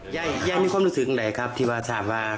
ท่านมาเอาขึ้นไปขึ้นออกให้ต้นรวจจับมันได้